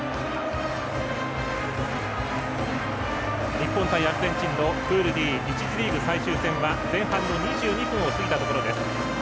日本対アルゼンチンのプールＤ１次リーグ最終戦は前半の２２分を過ぎたところです。